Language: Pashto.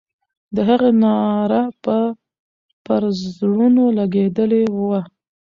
د هغې ناره به پر زړونو لګېدلې وه.